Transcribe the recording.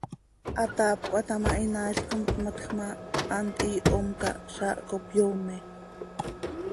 Hataap cöhata ma, hinaail com tmatj ma, hant hiihom cah zaah cop yoome.